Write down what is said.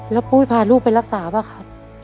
แล้วปุ้ยพาลูกไปรักษาป่ะครับ